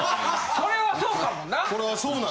それはそうかもな！